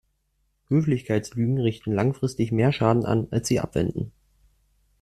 Höflichkeitslügen richten langfristig mehr Schaden an, als sie abwenden.